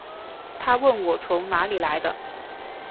她问我从哪里来的